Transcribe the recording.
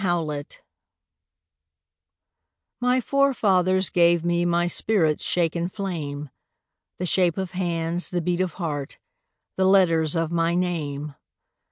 Driftwood My forefathers gave me My spirit's shaken flame, The shape of hands, the beat of heart, The letters of my name.